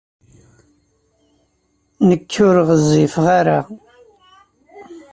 Nekk ur ɣezzifeɣ ara.